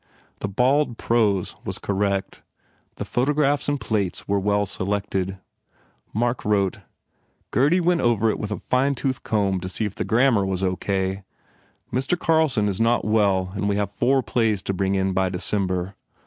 The bald prose was correct, the photographs and plates were well selected. Mark wrote: "Gurdy went over it with a fine tooth comb to see if the grammar was O. K. Mr. Carlson is not well and we have four plays to bring in by December.